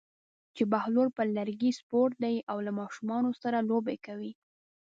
چې بهلول پر لرګي سپور دی او له ماشومانو سره لوبې کوي.